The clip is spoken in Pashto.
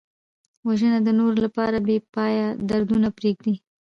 وژنه د نورو لپاره بېپایه دردونه پرېږدي